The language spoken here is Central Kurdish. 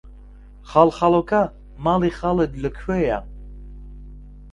خاڵخاڵۆکە، ماڵی خاڵت لەکوێیە؟!